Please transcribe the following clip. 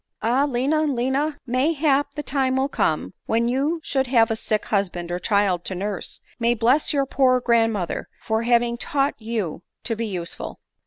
Ah, Lina, Lina ! mayhap the time will come, when you, should you have a sick husband or child to nurse, may bless your poor grandmother for having taught you to be useful."